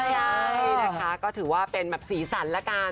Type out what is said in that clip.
ใช่นะคะก็ถือว่าเป็นแบบสีสันละกัน